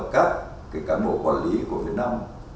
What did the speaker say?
các doanh nghiệp vừa và nhỏ của việt nam